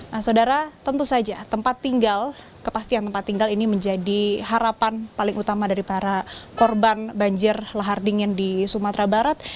nah saudara tentu saja tempat tinggal kepastian tempat tinggal ini menjadi harapan paling utama dari para korban banjir lahar dingin di sumatera barat